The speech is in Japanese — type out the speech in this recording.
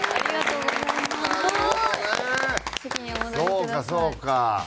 そうかそうか。